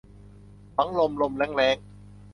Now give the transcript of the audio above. หวังลมลมแล้งแล้ง